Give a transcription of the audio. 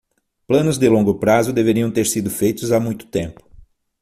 Planos de longo prazo deveriam ter sido feitos há muito tempo